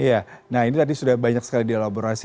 iya nah ini tadi sudah banyak sekali dielaborasi